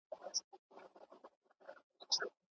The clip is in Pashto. تعلیم کول د انسان سترګې پرانیزي.